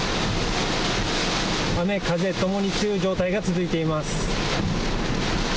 雨風ともに強い状態が続いています。